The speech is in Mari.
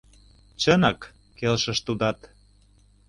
— Чынак, — келшыш тудат.